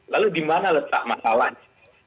lalu di mana letak masalahnya